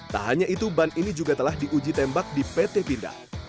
tak hanya itu ban ini juga telah diuji tembak di pt pindad